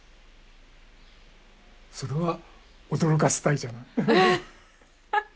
それは驚かせたいじゃない。